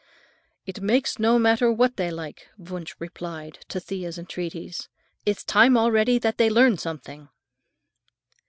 "It makes no matter what they like," Wunsch replied to Thea's entreaties. "It is time already that they learn something."